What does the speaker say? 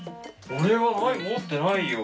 俺はない持ってないよ。